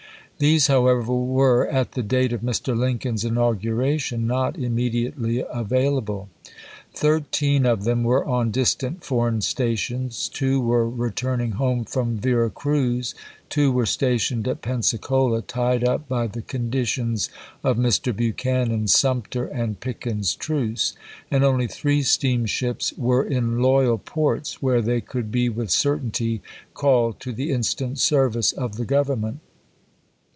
These however were, at the date of Mr. Lincoln's inauguration, not immediately avail able. Thirteen of them were on distant foreign stations ; two were returning home from Vera Cruz ; two were stationed at Pensacola, tied up by the conditions of Mr. Buchanan's " Sumter and Pickens truce"; and only three steamships were in loyal ports, where they could be with certainty called to the instant service of the Grovernment.